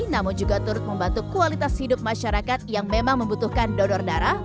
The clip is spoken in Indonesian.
namun juga turut membantu kualitas hidup masyarakat yang memang membutuhkan donor darah